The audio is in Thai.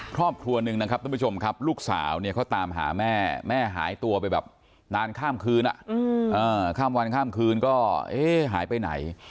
ครอบครัวหนึ่งนะครับทุกผู้ชมครับลูกสาวเนี่ยเขาตามหาแม่แม่หายตัวไปแบบนานข้ามคืนข้ามวันข้ามคืนก็เอ๊ะหายไปไหน